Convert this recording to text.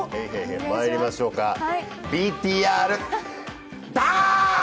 まいりましょうか、ＶＴＲ、ダーッ！！